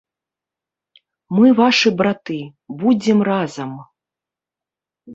Мы вашы браты, будзем разам.